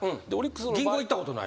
銀行行ったことないいうて。